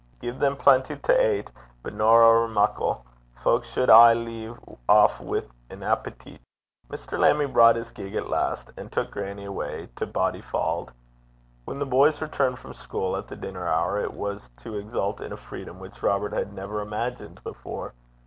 Gie them plenty to ait, but no ower muckle. Fowk suld aye lea' aff wi' an eppiteet.' Mr. Lammie brought his gig at last, and took grannie away to Bodyfauld. When the boys returned from school at the dinner hour, it was to exult in a freedom which Robert had never imagined before.